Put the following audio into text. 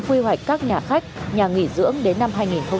khuy hoạch các nhà khách nhà nghỉ dưỡng đến năm hai nghìn ba mươi